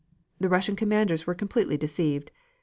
The Russian commanders were completely deceived.